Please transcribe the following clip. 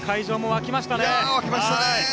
沸きましたね！